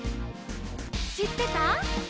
「しってた？」